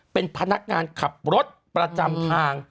เป็นพนักงานขับรถประจำทาง